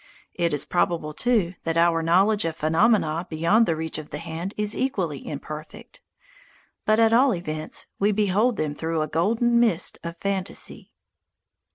It is probable, too, that our knowledge of phenomena beyond the reach of the hand is equally imperfect. But, at all events, we behold them through a golden mist of fantasy.